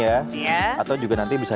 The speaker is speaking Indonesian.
atau juga nanti bisa